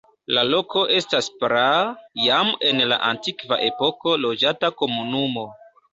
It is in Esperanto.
La loko estas praa, jam en la antikva epoko loĝata komunumo.